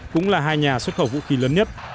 cũng là hai nhà xuất khẩu vũ khí lớn nhất